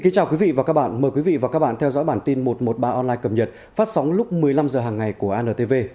chào mừng quý vị đến với bản tin một trăm một mươi ba online cập nhật phát sóng lúc một mươi năm h hàng ngày của antv